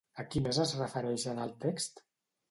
A qui més es refereix en el text?